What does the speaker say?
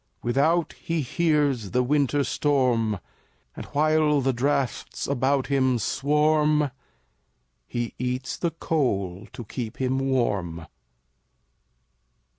Without he hears the winter storm, And while the drafts about him swarm, He eats the coal to keep him warm.